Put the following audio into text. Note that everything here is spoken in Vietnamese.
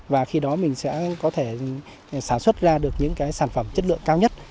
và khi đó mình sẽ có thể sản xuất ra được những cái sản phẩm chất lượng cao nhất